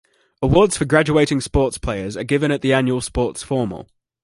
Awards for graduating sports players are given at the Annual Sports Formal.